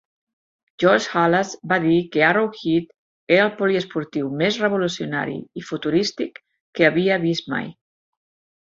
George Halas va dir que Arrowhead era el poliesportiu més revolucionari i futurístic que havia vist mai.